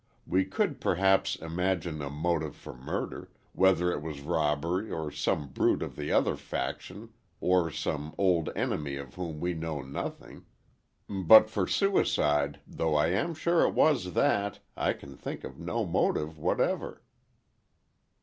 We could perhaps imagine a motive for murder—whether it was robbery, or some brute of 'the other faction' or some old enemy of whom we know nothing. But for suicide, though I am sure it was that, I can think of no motive whatever."